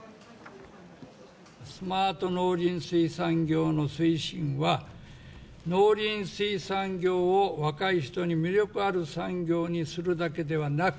スマート農林水産業の推進は、農林水産業を、若い人に魅力ある産業にするだけではなく、